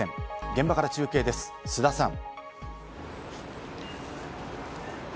現場から中継です、須田さん。